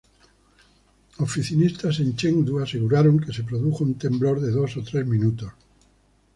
Oficinistas en Chengdu aseguraron que "se produjo un temblor de dos o tres minutos".